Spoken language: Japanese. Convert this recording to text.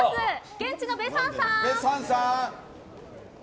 現地のベサンさん。